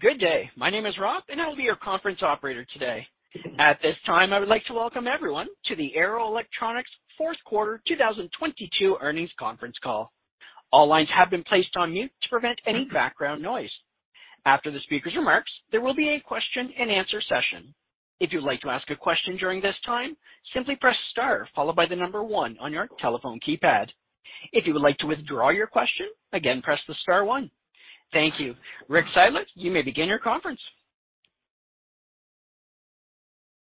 Good day. My name is Rob, and I will be your conference operator today. At this time, I would like to welcome everyone to the Arrow Electronics Q4 2022 Earnings Conference Call. All lines have been placed on mute to prevent any background noise. After the speaker's remarks, there will be a question and answer session. If you'd like to ask a question during this time, simply press star followed by the number one on your telephone keypad. If you would like to withdraw your question, again, press the star one. Thank you. RicK Seidlitz, you may begin your conference.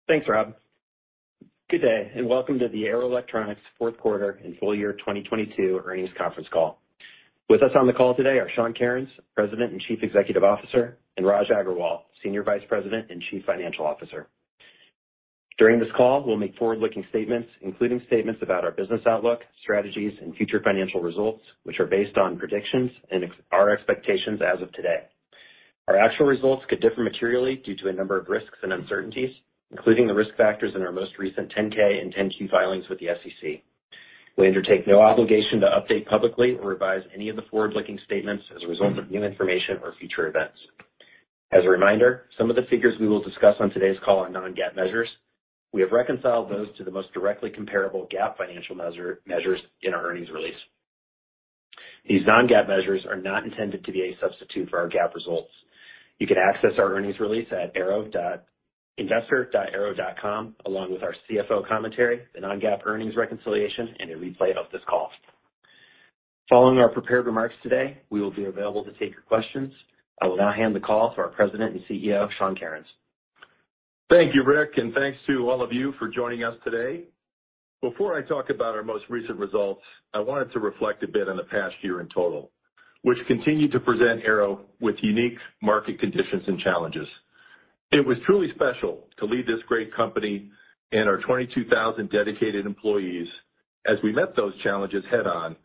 Thanks, Rob. Good day, welcome to the Arrow Electronics Q4 and full year 2022 earnings conference call. With us on the call today are Sean Kerins, President and Chief Executive Officer, and Raj Agrawal, Senior Vice President and Chief Financial Officer. During this call, we'll make forward-looking statements, including statements about our business outlook, strategies, and future financial results, which are based on predictions and our expectations as of today. Our actual results could differ materially due to a number of risks and uncertainties, including the risk factors in our most recent 10-K and 10-Q filings with the SEC. We undertake no obligation to update publicly or revise any of the forward-looking statements as a result of new information or future events. As a reminder, some of the figures we will discuss on today's call are non-GAAP measures. We have reconciled those to the most directly comparable GAAP financial measures in our earnings release. These non-GAAP measures are not intended to be a substitute for our GAAP results. You can access our earnings release at investor.arrow.com, along with our CFO commentary, the non-GAAP earnings reconciliation, and a replay of this call. Following our prepared remarks today, we will be available to take your questions. I will now hand the call to our President and CEO, Sean Kerins. Thank you, Rick, thanks to all of you for joining us today. Before I talk about our most recent results, I wanted to reflect a bit on the past year in total, which continued to present Arrow with unique market conditions and challenges. It was truly special to lead this great company and our 22,000 dedicated employees as we met those challenges head on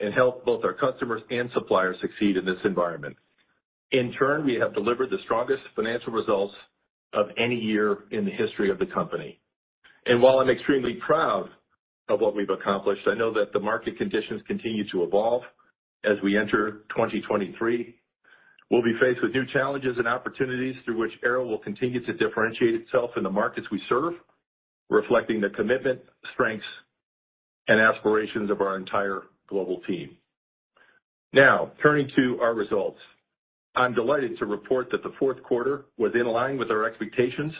and helped both our customers and suppliers succeed in this environment. In turn, we have delivered the strongest financial results of any year in the history of the company. While I'm extremely proud of what we've accomplished, I know that the market conditions continue to evolve as we enter 2023. We'll be faced with new challenges and opportunities through which Arrow will continue to differentiate itself in the markets we serve, reflecting the commitment, strengths, and aspirations of our entire global team. Now, turning to our results. I'm delighted to report that the Q4 was in line with our expectations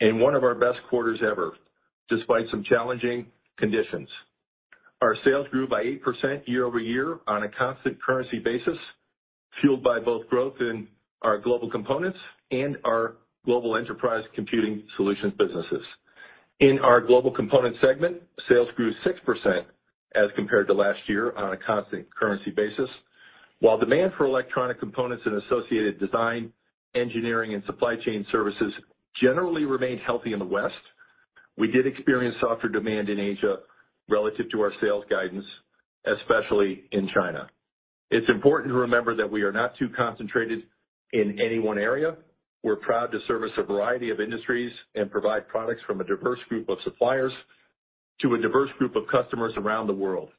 and one of our best quarters ever, despite some challenging conditions. Our sales grew by 8% year-over-year on a constant currency basis, fueled by both growth in our Global Components and our Global Enterprise Computing Solutions businesses. In our Global Components segment, sales grew 6% as compared to last year on a constant currency basis. While demand for electronic components and associated design, engineering, and supply chain services generally remained healthy in the West, we did experience softer demand in Asia relative to our sales guidance, especially in China. It's important to remember that we are not too concentrated in any one area. We're proud to service a variety of industries and provide products from a diverse group of suppliers to a diverse group of customers around the world.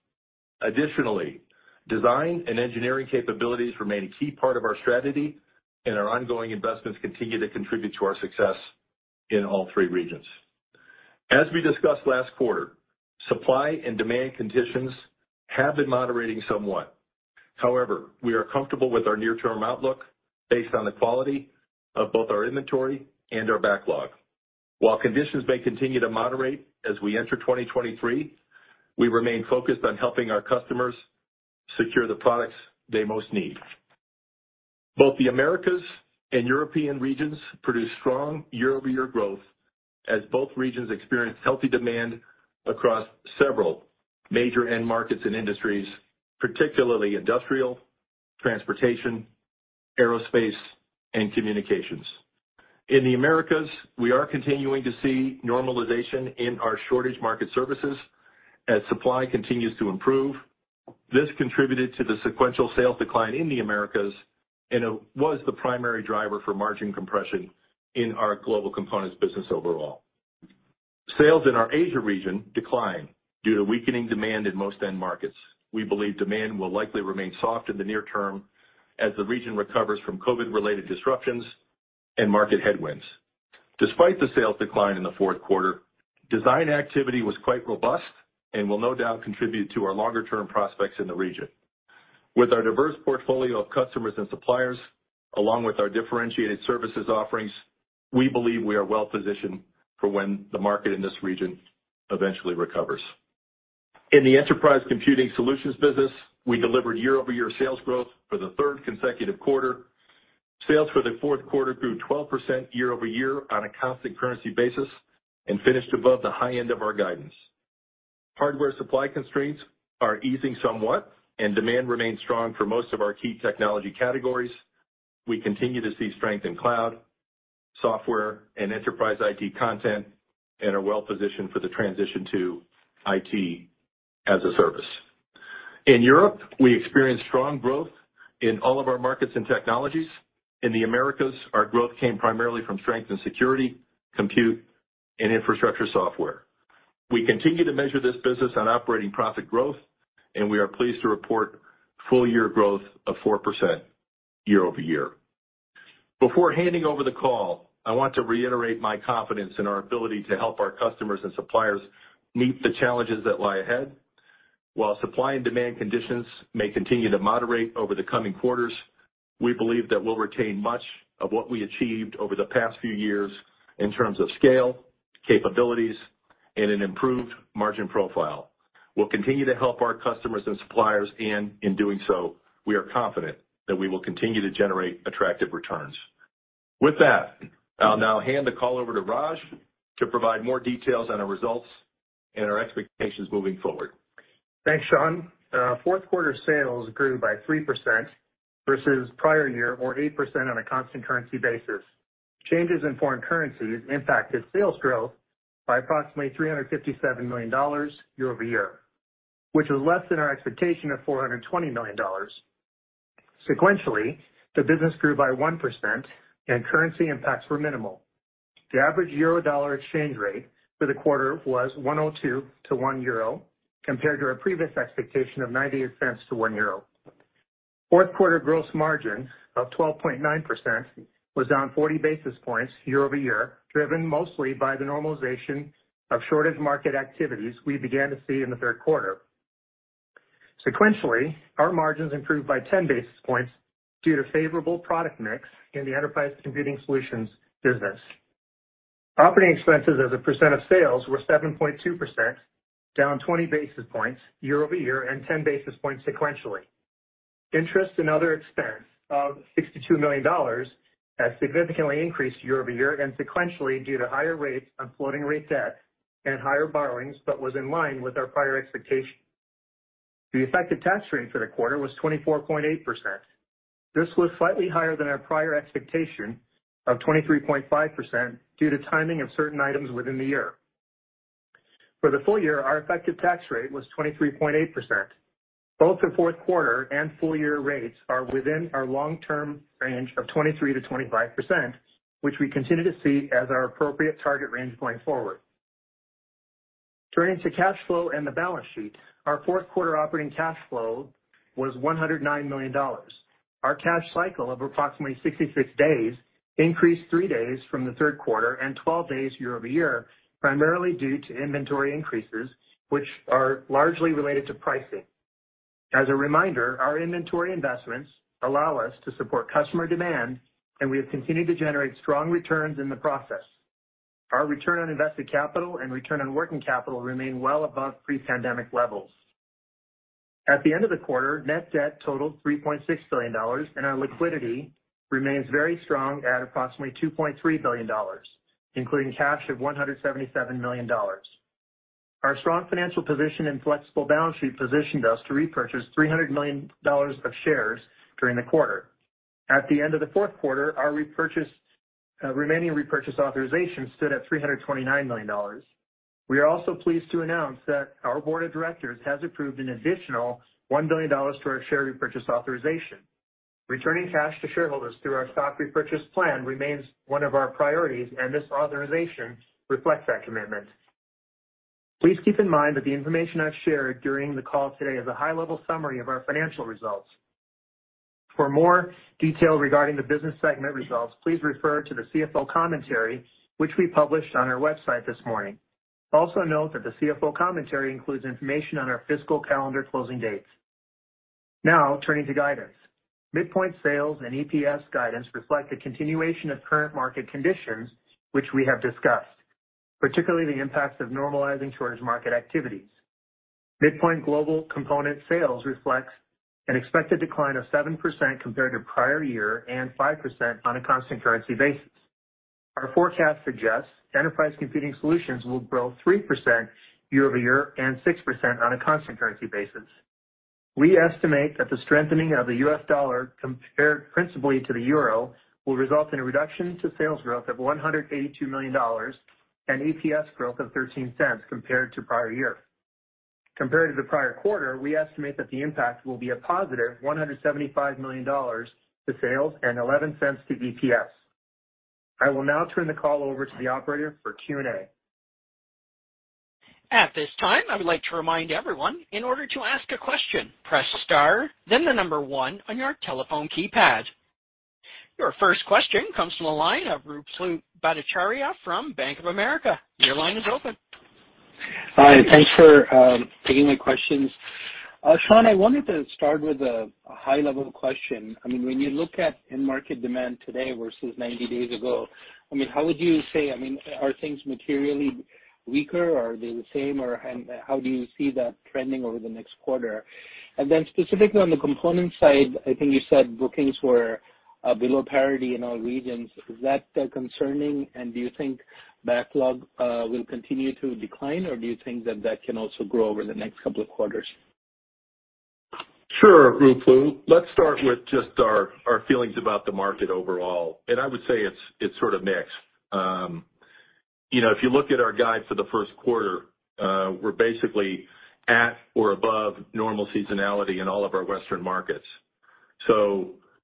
Design and engineering capabilities remain a key part of our strategy, and our ongoing investments continue to contribute to our success in all three regions. As we discussed last quarter, supply and demand conditions have been moderating somewhat. We are comfortable with our near-term outlook based on the quality of both our inventory and our backlog. While conditions may continue to moderate as we enter 2023, we remain focused on helping our customers secure the products they most need. Both the Americas and European regions produced strong year-over-year growth as both regions experienced healthy demand across several major end markets and industries, particularly industrial, transportation, aerospace, and communications. In the Americas, we are continuing to see normalization in our shortage market services as supply continues to improve. It was the primary driver for margin compression in our Global Components business overall. Sales in our Asia region declined due to weakening demand in most end markets. We believe demand will likely remain soft in the near term as the region recovers from COVID-related disruptions and market headwinds. Despite the sales decline in the Q4, design activity was quite robust and will no doubt contribute to our longer-term prospects in the region. With our diverse portfolio of customers and suppliers, along with our differentiated services offerings, we believe we are well-positioned for when the market in this region eventually recovers. In the Global Enterprise Computing Solutions business, we delivered year-over-year sales growth for the third consecutive quarter. Sales for the Q4 grew 12% year-over-year on a constant currency basis and finished above the high end of our guidance. Hardware supply constraints are easing somewhat, and demand remains strong for most of our key technology categories. We continue to see strength in cloud, software, and enterprise IT content and are well positioned for the transition to IT as a Service. In Europe, we experienced strong growth in all of our markets and technologies. In the Americas, our growth came primarily from strength in security, compute, and infrastructure software. We continue to measure this business on operating profit growth, and we are pleased to report full year growth of 4% year-over-year. Before handing over the call, I want to reiterate my confidence in our ability to help our customers and suppliers meet the challenges that lie ahead. While supply and demand conditions may continue to moderate over the coming quarters, we believe that we'll retain much of what we achieved over the past few years in terms of scale, capabilities, and an improved margin profile. We'll continue to help our customers and suppliers, and in doing so, we are confident that we will continue to generate attractive returns. With that, I'll now hand the call over to Raj to provide more details on our results and our expectations moving forward. Thanks, Sean. Q4 sales grew by 3% versus prior year or 8% on a constant currency basis. Changes in foreign currencies impacted sales growth by approximately $357 million year-over-year, which is less than our expectation of $420 million. Sequentially, the business grew by 1% and currency impacts were minimal. The average Euro dollar exchange rate for the quarter was $1.02 to 1 Euro, compared to our previous expectation of $0.98 to 1 euro. Q4 gross margin of 12.9% was down 40 basis points year-over-year, driven mostly by the normalization of shortage market activities we began to see in the Q3. Sequentially, our margins improved by 10 basis points due to favorable product mix in the Enterprise Computing Solutions business. Operating expenses as a percent of sales were 7.2%, down 20 basis points year-over-year and 10 basis points sequentially. Interest and other expense of $62 million has significantly increased year-over-year and sequentially due to higher rates on floating rate debt and higher borrowings, but was in line with our prior expectations. The effective tax rate for the quarter was 24.8%. This was slightly higher than our prior expectation of 23.5% due to timing of certain items within the year. For the full year, our effective tax rate was 23.8%. Both the Q4 and full year rates are within our long-term range of 23%-25%, which we continue to see as our appropriate target range going forward. Turning to cash flow and the balance sheet. Our Q4 operating cash flow was $109 million. Our cash cycle of approximately 66 days increased three days from the Q3 and 12 days year-over-year, primarily due to inventory increases, which are largely related to pricing. As a reminder, our inventory investments allow us to support customer demand, we have continued to generate strong returns in the process. Our return on invested capital and return on working capital remain well above pre-pandemic levels. At the end of the quarter, net debt totaled $3.6 billion, Our liquidity remains very strong at approximately $2.3 billion, including cash of $177 million. Our strong financial position and flexible balance sheet positioned us to repurchase $300 million of shares during the quarter. At the end of the Q4, our remaining repurchase authorization stood at $329 million. We are also pleased to announce that our board of directors has approved an additional $1 billion to our share repurchase authorization. Returning cash to shareholders through our stock repurchase plan remains one of our priorities, and this authorization reflects that commitment. Please keep in mind that the information I've shared during the call today is a high-level summary of our financial results. For more detail regarding the business segment results, please refer to the CFO commentary, which we published on our website this morning. Also note that the CFO commentary includes information on our fiscal calendar closing dates. Now turning to guidance. Midpoint sales and EPS guidance reflect the continuation of current market conditions, which we have discussed, particularly the impacts of normalizing shortage market activities. Midpoint global component sales reflects an expected decline of 7% compared to prior year and 5% on a constant currency basis. Our forecast suggests enterprise computing solutions will grow 3% year-over-year and 6% on a constant currency basis. We estimate that the strengthening of the U.S. dollar compared principally to the Euro, will result in a reduction to sales growth of $182 million and EPS growth of $0.13 compared to prior year. Compared to the prior quarter, we estimate that the impact will be a positive $175 million to sales and $0.11 to EPS. I will now turn the call over to the operator for Q&A. At this time, I would like to remind everyone in order to ask a question, press star, then one on your telephone keypad. Your first question comes from the line of Ruplu Bhattacharya from Bank of America. Your line is open. Hi, thanks for taking my questions. Sean, I wanted to start with a high level question. I mean, when you look at end market demand today versus 90 days ago, I mean, are things materially weaker or are they the same? How do you see that trending over the next quarter? Specifically on the component side, I think you said bookings were below parity in all regions. Is that concerning? Do you think backlog will continue to decline, or do you think that can also grow over the next couple of quarters? Sure, Ruplu. Let's start with just our feelings about the market overall. I would say it's sort of mixed. You know, if you look at our guide for the Q1, we're basically at or above normal seasonality in all of our Western markets.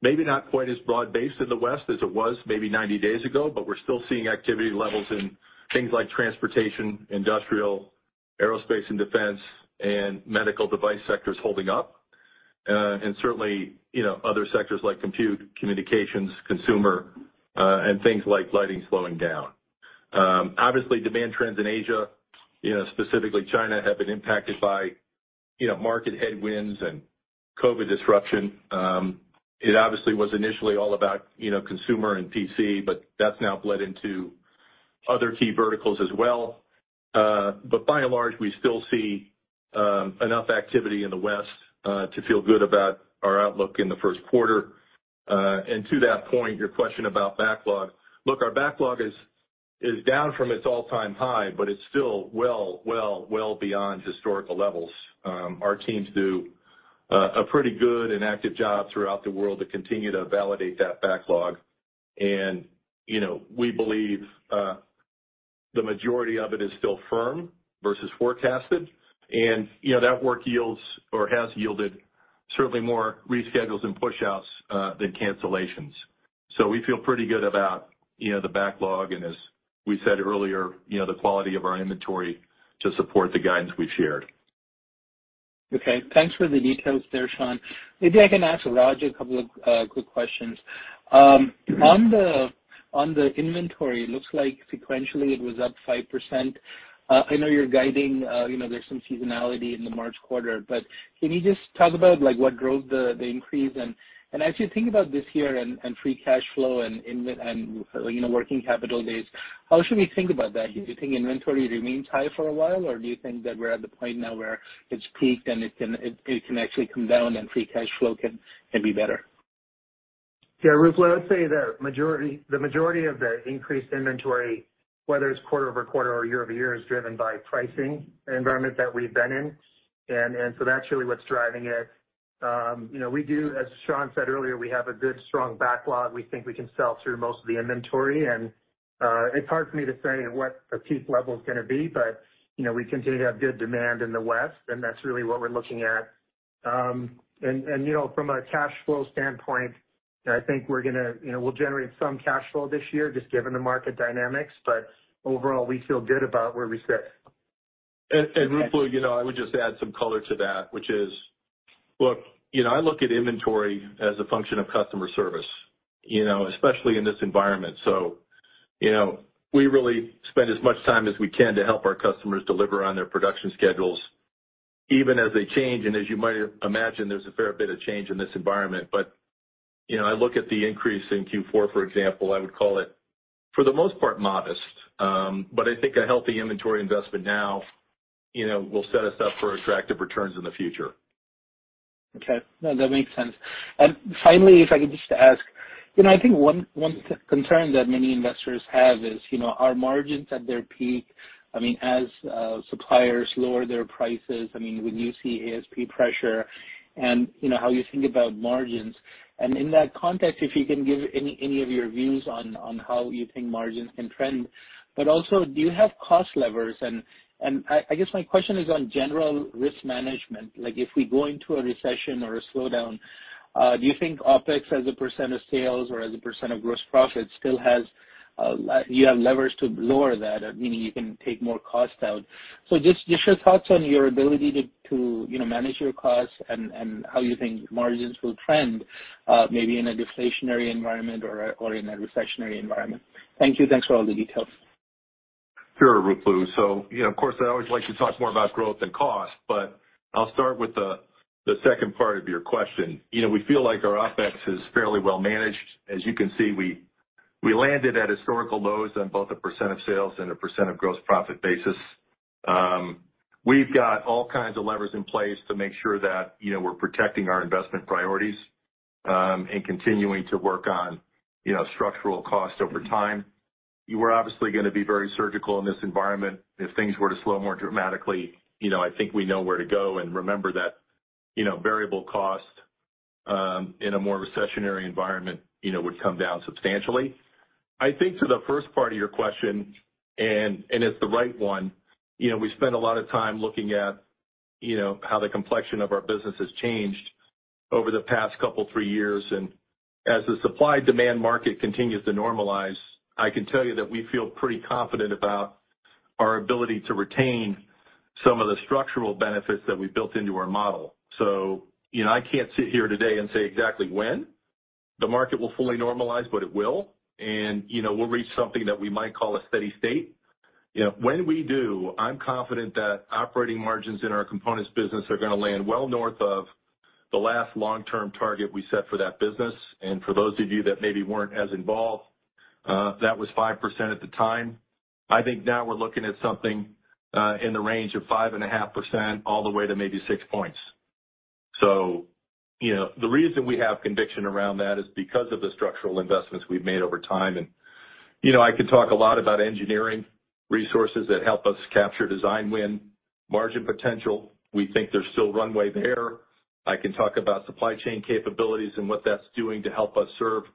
Maybe not quite as broad-based in the West as it was maybe 90 days ago, but we're still seeing activity levels in things like transportation, industrial, aerospace and defense, and medical device sectors holding up. Certainly, you know, other sectors like compute, communications, consumer, and things like lighting slowing down. Obviously, demand trends in Asia, you know, specifically China, have been impacted by, you know, market headwinds and COVID disruption. It obviously was initially all about, you know, consumer and PC, but that's now bled into other key verticals as well. By and large, we still see enough activity in the West to feel good about our outlook in the Q1. To that point, your question about backlog. Look, our backlog is down from its all-time high, but it's still well, well, well beyond historical levels. Our teams do a pretty good and active job throughout the world to continue to validate that backlog. You know, we believe the majority of it is still firm versus forecasted. You know, that work yields or has yielded certainly more reschedules and pushouts than cancellations. We feel pretty good about, you know, the backlog, and as we said earlier, you know, the quality of our inventory to support the guidance we've shared. Thanks for the details there, Sean. Maybe I can ask Raj a couple of quick questions. On the inventory, looks like sequentially it was up 5%. I know you're guiding, you know, there's some seasonality in the March quarter, but can you just talk about like what drove the increase? As you think about this year and free cash flow and inlet and, you know, working capital days, how should we think about that? Do you think inventory remains high for a while, or do you think that we're at the point now where it's peaked and it can actually come down and free cash flow can be better? Yeah. Ruplu, I would say the majority of the increased inventory, whether it's quarter-over-quarter or year-over-year, is driven by pricing environment that we've been in. So that's really what's driving it. You know, we do, as Sean said earlier, we have a good strong backlog. It's hard for me to say what a peak level's gonna be, but, you know, we continue to have good demand in the West, and that's really what we're looking at. You know, from a cash flow standpoint, I think we're gonna, you know, we'll generate some cash flow this year just given the market dynamics. Overall, we feel good about where we sit. Ruplu, you know, I would just add some color to that, which is, look, you know, I look at inventory as a function of customer service, you know, especially in this environment. You know, we really spend as much time as we can to help our customers deliver on their production schedules, even as they change. As you might imagine, there's a fair bit of change in this environment. You know, I look at the increase in Q4, for example, I would call it, for the most part, modest. I think a healthy inventory investment now, you know, will set us up for attractive returns in the future. Okay. No, that makes sense. Finally, if I could just ask, you know, I think one concern that many investors have is, you know, are margins at their peak? I mean, as suppliers lower their prices, I mean, would you see ASP pressure? You know, how you think about margins. In that context, if you can give any of your views on how you think margins can trend. Also, do you have cost levers? I guess my question is on general risk management. Like, if we go into a recession or a slowdown, do you think OpEx as a % of sales or as a % of gross profit still has, you have levers to lower that, meaning you can take more cost out? Just your thoughts on your ability to, you know, manage your costs and how you think margins will trend, maybe in a deflationary environment or in a recessionary environment? Thank you. Thanks for all the details. Sure, Ruplu. You know, of course, I always like to talk more about growth than cost, but I'll start with the second part of your question. You know, we feel like our OpEx is fairly well managed. As you can see, we landed at historical lows on both a percent of sales and a percent of gross profit basis. We've got all kinds of levers in place to make sure that, you know, we're protecting our investment priorities, and continuing to work on, you know, structural costs over time. We're obviously gonna be very surgical in this environment. If things were to slow more dramatically, you know, I think we know where to go. Remember that, you know, variable cost, in a more recessionary environment, you know, would come down substantially. I think to the first part of your question. It's the right one. You know, we spend a lot of time looking at, you know, how the complexion of our business has changed over the past couple, three years. As the supply-demand market continues to normalize, I can tell you that we feel pretty confident about our ability to retain some of the structural benefits that we built into our model. You know, I can't sit here today and say exactly when the market will fully normalize, but it will. You know, we'll reach something that we might call a steady state. You know, when we do, I'm confident that operating margins in our Components business are gonna land well north of the last long-term target we set for that business. For those of you that maybe weren't as involved, that was 5% at the time. I think now we're looking at something in the range of 5.5% all the way to maybe six points. You know, the reason we have conviction around that is because of the structural investments we've made over time. You know, I could talk a lot about engineering resources that help us capture design win, margin potential. We think there's still runway there. I can talk about supply chain capabilities and what that's doing to help us serve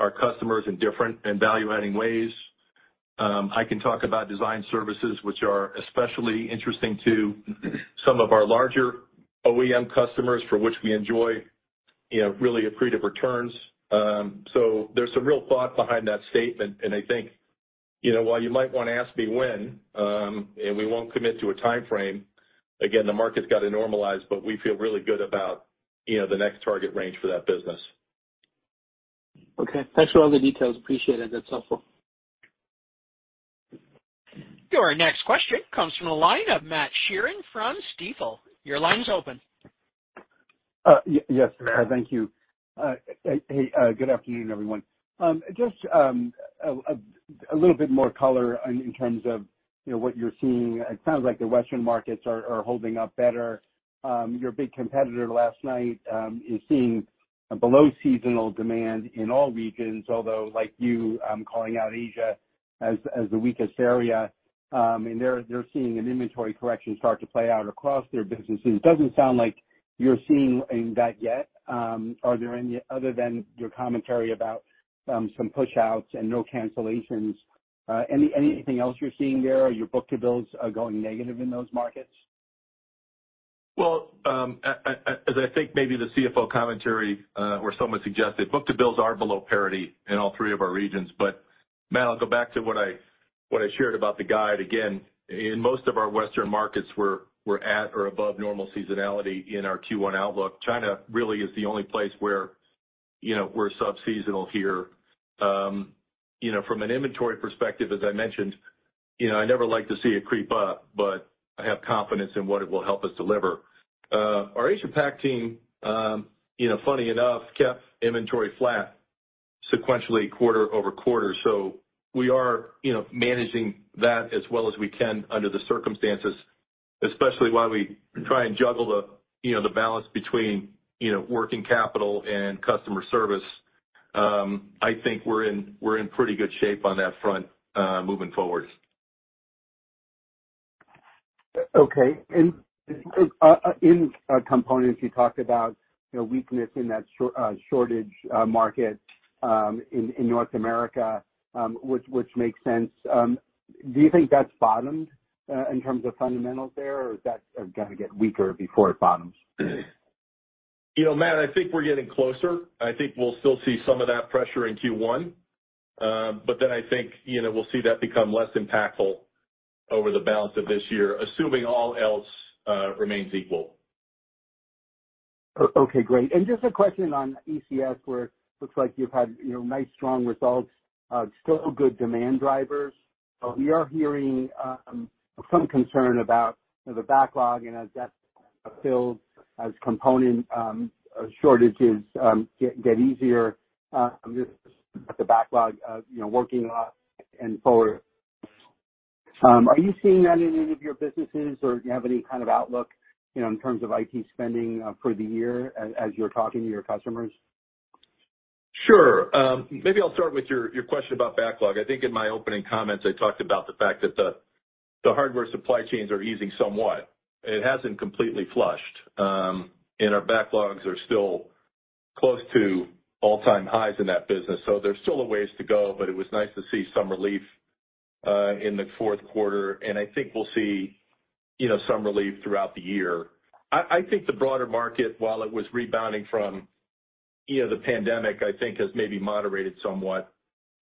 our customers in different and value-adding ways. I can talk about design services which are especially interesting to some of our larger OEM customers for which we enjoy, you know, really accretive returns. There's some real thought behind that statement, and I think, you know, while you might wanna ask me when. We won't commit to a timeframe. The market's got to normalize. We feel really good about, you know, the next target range for that business. Okay. Thanks for all the details. Appreciate it. That's helpful. Your next question comes from the line of Matthew Sheerin from Stifel. Your line's open. Yes. Thank you. Good afternoon, everyone. Just a little bit more color in terms of, you know, what you're seeing. It sounds like the Western markets are holding up better. Your big competitor last night is seeing below seasonal demand in all regions, although like you, calling out Asia as the weakest area. They're seeing an inventory correction start to play out across their businesses. It doesn't sound like you're seeing that yet. Are there other than your commentary about some pushouts and no cancellations, anything else you're seeing there? Are your book-to-bills going negative in those markets? As I think maybe the CFO commentary, where someone suggested, book-to-bills are below parity in all three of our regions. Matt, I'll go back to what I shared about the guide. Again, in most of our Western markets, we're at or above normal seasonality in our Q1 outlook. China really is the only place where, you know, we're sub-seasonal here. You know, from an inventory perspective, as I mentioned, you know, I never like to see it creep up, but I have confidence in what it will help us deliver. Our Asia PAC team, you know, funny enough, kept inventory flat sequentially quarter-over-quarter. We are, you know, managing that as well as we can under the circumstances, especially while we try and juggle the, you know, the balance between, you know, working capital and customer service. I think we're in pretty good shape on that front, moving forward. Okay. In Components, you talked about, you know, weakness in that shortage market, in North America, which makes sense. Do you think that's bottomed, in terms of fundamentals there, or is that gonna get weaker before it bottoms? You know, Matt, I think we're getting closer. I think we'll still see some of that pressure in Q1. I think, you know, we'll see that become less impactful over the balance of this year, assuming all else remains equal. Okay, great. Just a question on ECS, where it looks like you've had, you know, nice strong results, still good demand drivers. We are hearing some concern about the backlog and as that fills, as component shortages get easier, just the backlog, you know, working off and forward. Are you seeing that in any of your businesses, or do you have any kind of outlook, you know, in terms of IT spending for the year as you're talking to your customers? Sure. Maybe I'll start with your question about backlog. I think in my opening comments, I talked about the fact that the hardware supply chains are easing somewhat. It hasn't completely flushed, and our backlogs are still close to all-time highs in that business. There's still a ways to go, but it was nice to see some relief in the Q4, and I think we'll see, you know, some relief throughout the year. I think the broader market, while it was rebounding from, you know, the pandemic, I think has maybe moderated somewhat.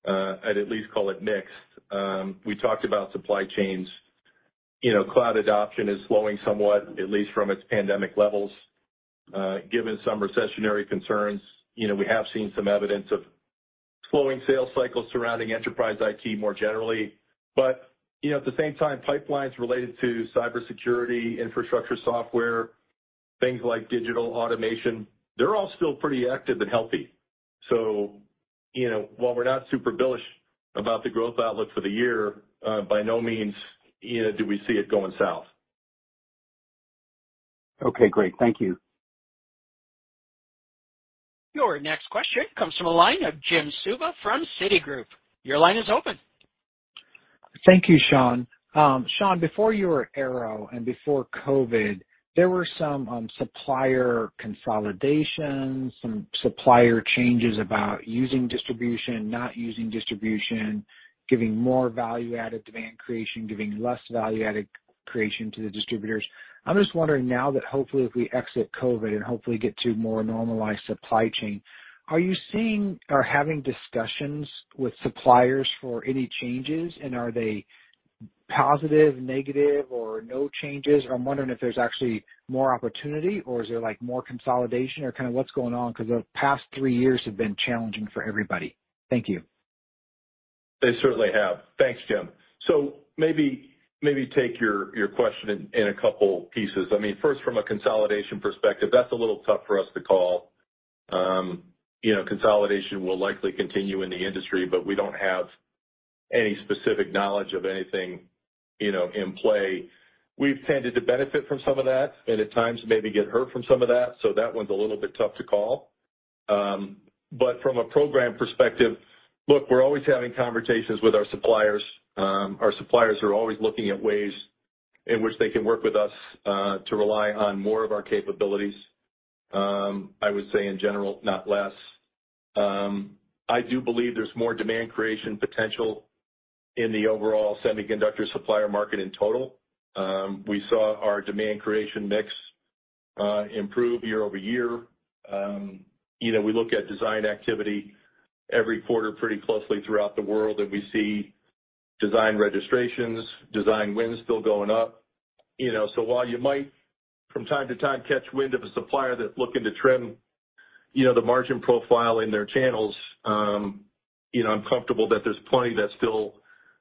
I'd at least call it mixed. We talked about supply chains. You know, cloud adoption is slowing somewhat, at least from its pandemic levels. Given some recessionary concerns, you know, we have seen some evidence of slowing sales cycles surrounding enterprise IT more generally. You know, at the same time, pipelines related to cybersecurity, infrastructure software, things like digital automation, they're all still pretty active and healthy. You know, while we're not super bullish about the growth outlook for the year, by no means, you know, do we see it going south. Okay, great. Thank you. Your next question comes from a line of Jim Suva from Citigroup. Your line is open. Thank you, Sean. Sean, before you were at Arrow and before COVID, there were some supplier consolidations, some supplier changes about using distribution, not using distribution, giving more value-added demand creation, giving less value-added creation to the distributors. I'm just wondering now that hopefully if we exit COVID and hopefully get to more normalized supply chain, are you seeing or having discussions with suppliers for any changes? Are they positive, negative or no changes? I'm wondering if there's actually more opportunity or is there like more consolidation or kind of what's going on because the past three years have been challenging for everybody. Thank you. They certainly have. Thanks, Jim. Maybe take your question in a couple pieces. I mean, first from a consolidation perspective, that's a little tough for us to call. You know, consolidation will likely continue in the industry, but we don't have any specific knowledge of anything, you know, in play. We've tended to benefit from some of that and at times maybe get hurt from some of that, so that one's a little bit tough to call. From a program perspective, look, we're always having conversations with our suppliers. Our suppliers are always looking at ways in which they can work with us, to rely on more of our capabilities. I would say in general, not less. I do believe there's more demand creation potential in the overall semiconductor supplier market in total. We saw our demand creation mix improve year-over-year. You know, we look at design activity every quarter pretty closely throughout the world, and we see design registrations, design wins still going up, you know. While you might from time to time catch wind of a supplier that's looking to trim, you know, the margin profile in their channels, you know, I'm comfortable that there's plenty that still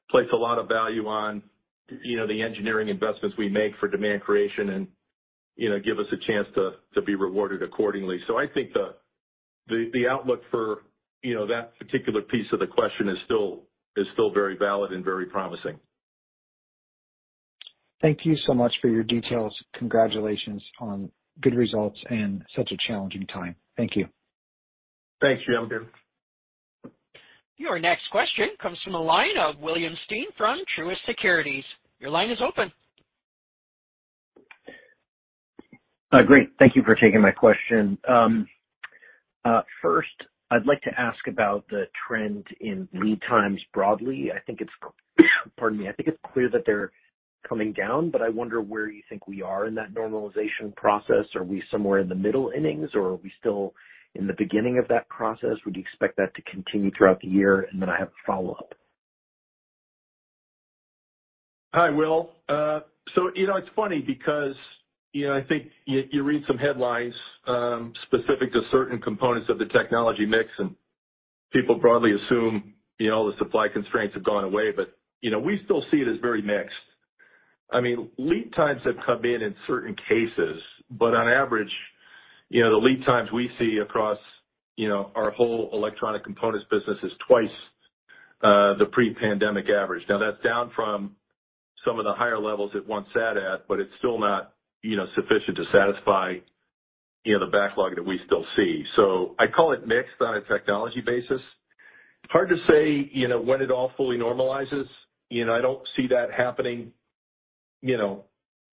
place a lot of value on, you know, the engineering investments we make for demand creation and, you know, give us a chance to be rewarded accordingly. I think the outlook for, you know, that particular piece of the question is still very valid and very promising. Thank you so much for your details. Congratulations on good results in such a challenging time. Thank you. Thanks, Jim Suva. Your next question comes from the line of William Stein from Truist Securities. Your line is open. Great. Thank you for taking my question. First, I'd like to ask about the trend in lead times broadly. I think it's clear that they're coming down, but I wonder where you think we are in that normalization process. Are we somewhere in the middle innings, or are we still in the beginning of that process? Would you expect that to continue throughout the year? Then I have a follow-up. Hi, Will. you know, it's funny because, you know, I think you read some headlines, specific to certain components of the technology mix, and people broadly assume, you know, the supply constraints have gone away. you know, we still see it as very mixed. I mean, lead times have come in in certain cases, but on average, you know, the lead times we see across, you know, our whole electronic components business is twice the pre-pandemic average. that's down from some of the higher levels it once sat at, but it's still not, you know, sufficient to satisfy, you know, the backlog that we still see. I call it mixed on a technology basis. Hard to say, you know, when it all fully normalizes. I don't see that happening, you know,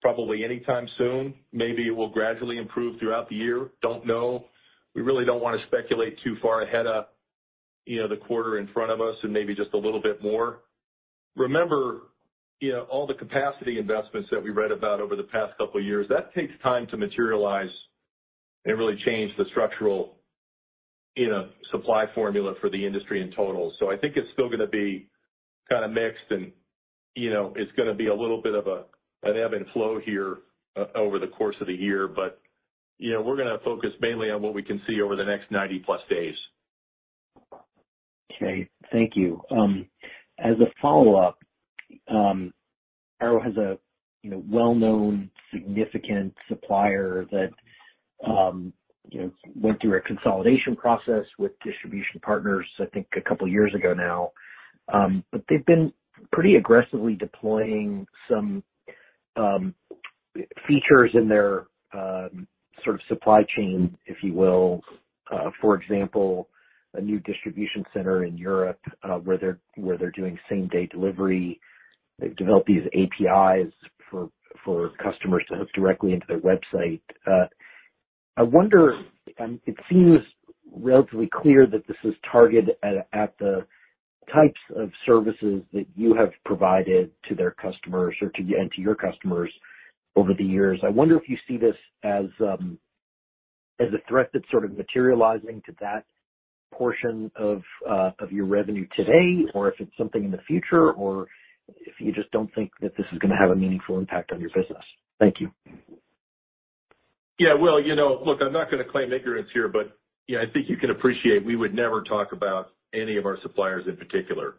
probably anytime soon. Maybe it will gradually improve throughout the year. Don't know. We really don't wanna speculate too far ahead of, you know, the quarter in front of us and maybe just a little bit more. Remember, you know, all the capacity investments that we read about over the past couple years, that takes time to materialize and really change the structural, you know, supply formula for the industry in total. I think it's still gonna be kinda mixed and, you know, it's gonna be a little bit of a, an ebb and flow here over the course of the year. You know, we're gonna focus mainly on what we can see over the next 90+ days. Okay. Thank you. As a follow-up, Arrow has a, you know, well-known significant supplier that, you know, went through a consolidation process with distribution partners I think a couple years ago now. They've been pretty aggressively deploying some features in their sort of supply chain, if you will. For example, a new distribution center in Europe, where they're doing same-day delivery. They've developed these APIs for customers to hook directly into their website. I wonder, it seems relatively clear that this is targeted at the types of services that you have provided to their customers or and to your customers over the years. I wonder if you see this as a threat that's sort of materializing to that portion of your revenue today or if it's something in the future or if you just don't think that this is gonna have a meaningful impact on your business. Thank you. Will, you know, look, I'm not gonna claim ignorance here, but, you know, I think you can appreciate we would never talk about any of our suppliers in particular.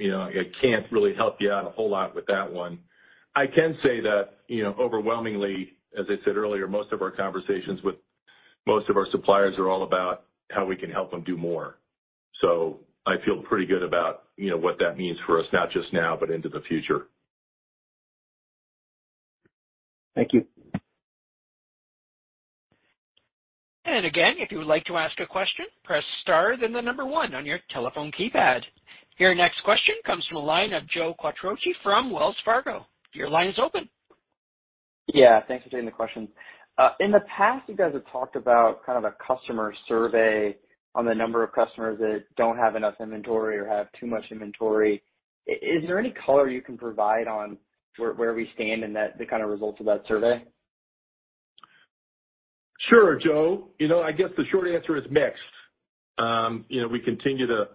You know, I can't really help you out a whole lot with that one. I can say that, you know, overwhelmingly, as I said earlier, most of our conversations with most of our suppliers are all about how we can help them do more. I feel pretty good about, you know, what that means for us, not just now, but into the future. Thank you. Again, if you would like to ask a question, press star, then the number one on your telephone keypad. Your next question comes from the line of Joe Quattrocchi from Wells Fargo. Your line is open. Yeah. Thanks for taking the question. In the past, you guys have talked about kind of a customer survey on the number of customers that don't have enough inventory or have too much inventory. Is there any color you can provide on where we stand in that, the kind of results of that survey? Sure, Joe. You know, I guess the short answer is mixed. You know, we continue to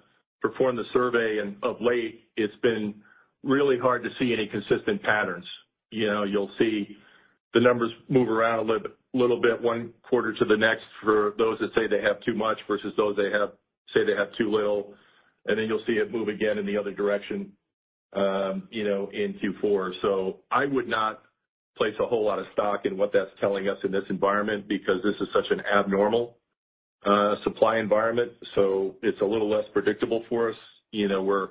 perform the survey, of late, it's been really hard to see any consistent patterns. You know, you'll see the numbers move around a little bit one quarter to the next for those that say they have too much versus those that have, say they have too little. You'll see it move again in the other direction, you know, in Q4. I would not place a whole lot of stock in what that's telling us in this environment because this is such an abnormal supply environment, so it's a little less predictable for us. You know, we're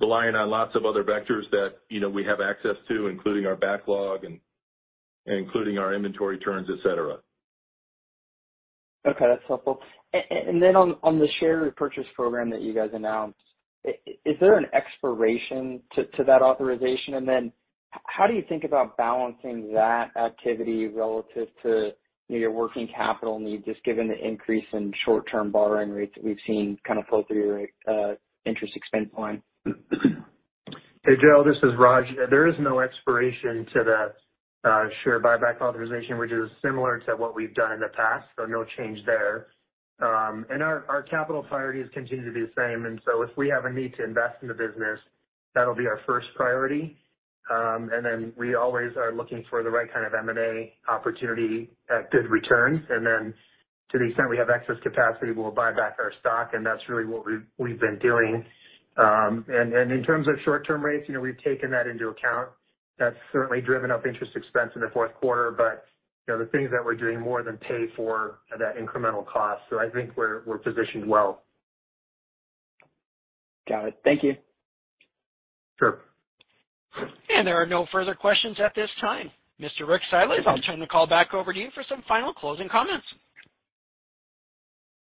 relying on lots of other vectors that, you know, we have access to, including our backlog and including our inventory turns, et cetera. Okay, that's helpful. On the share repurchase program that you guys announced, is there an expiration to that authorization? How do you think about balancing that activity relative to, you know, your working capital needs, just given the increase in short-term borrowing rates that we've seen kind of flow through your interest expense line? Hey, Joe. This is Raj. There is no expiration to that share buyback authorization, which is similar to what we've done in the past. No change there. Our capital priorities continue to be the same. If we have a need to invest in the business, that'll be our first priority. Then we always are looking for the right kind of M&A opportunity at good returns. Then to the extent we have excess capacity, we'll buy back our stock, and that's really what we've been doing. In terms of short-term rates, you know, we've taken that into account. That's certainly driven up interest expense in the Q4, you know, the things that we're doing more than pay for that incremental cost. I think we're positioned well. Got it. Thank you. Sure. There are no further questions at this time. Mr. Rick Seidlitz, I'll turn the call back over to you for some final closing comments.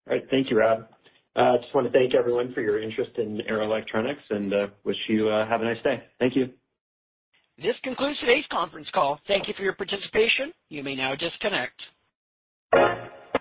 All right. Thank you, Rob. I just wanna thank everyone for your interest in Arrow Electronics and wish you have a nice day. Thank you. This concludes today's conference call. Thank you for your participation. You may now disconnect.